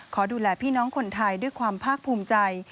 ขอดูแลพี่น้องคนไทยด้วยความภาคภูมิใจ